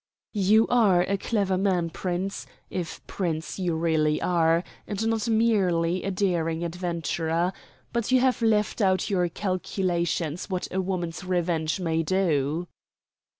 "You are a clever man, Prince if Prince you really are, and not merely a daring adventurer but you have left out of your calculations what a woman's revenge may do."